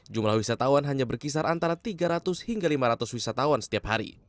jumlah wisatawan hanya berkisar antara tiga ratus hingga lima ratus